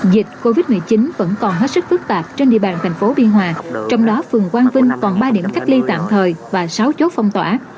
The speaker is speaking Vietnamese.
dịch covid một mươi chín vẫn còn hết sức phức tạp trên địa bàn thành phố biên hòa trong đó phường quang vinh còn ba điểm cách ly tạm thời và sáu chốt phong tỏa